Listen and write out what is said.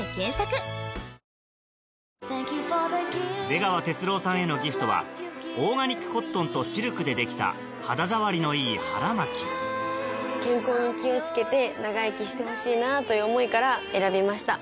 出川哲朗さんへのギフトはオーガニックコットンとシルクで出来た肌触りのいい腹巻き健康に気を付けて長生きしてほしいなという思いから選びました。